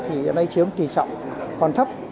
thì hiện nay chiếm kỳ trọng